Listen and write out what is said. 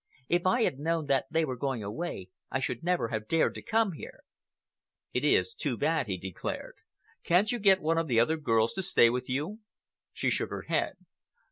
If I had known that they were going away, I should never have dared to come here." "It is too bad," he declared. "Couldn't you get one of the other girls to stay with you?" She shook her head.